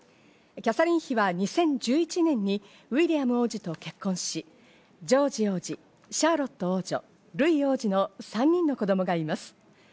キャサリン妃は２０１１年にウィリアム王子と結婚し、ジョージ王子、シャーロット王女、ルイ王子の３人の子供がいます。